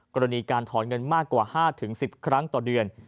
กรณีการถอนเงินมากกว่า๕๑๐ครั้งต่อเดือน